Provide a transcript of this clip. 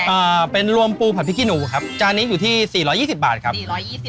อ่าเป็นรวมปูผัดพริกขี้หนูครับจานนี้อยู่ที่สี่ร้อยยี่สิบบาทครับสี่ร้อยยี่สิบ